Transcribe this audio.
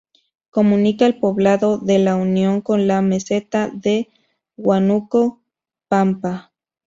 Comunica el poblado de La Unión con la meseta de Huánuco Pampa.